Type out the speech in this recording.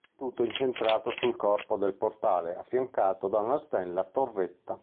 Il tutto è incentrato sul corpo del portale, affiancato da una snella torretta.